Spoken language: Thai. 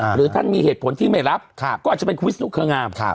หรือท่านมีเหตุผลที่ไม่รับก็อาจจะเป็นวิศนุเครืองาม